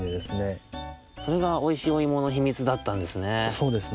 それがおいしいおいものひみつだったんですね。